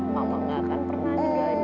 mama gak akan pernah ninggalin kamu lagi vin